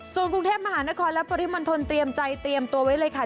ส่วนกรุงเทพมหานครและปริมณฑลเตรียมใจเตรียมตัวไว้เลยค่ะ